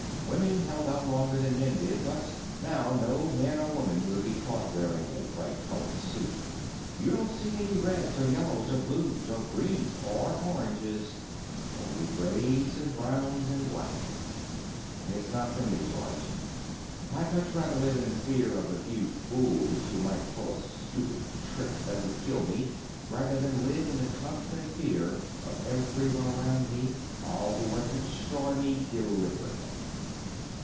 Women held out longer than men did, but now no man or woman would be caught wearing a bright colored suit. You don't see any reds or yellows or blues or greens or oranges only grays and browns and black. "It's not for me, George. I'd much rather live in fear of the few fools who might pull a stupid trick that would kill me than live in the constant fear of everyone around me, who all want to destroy me deliberately."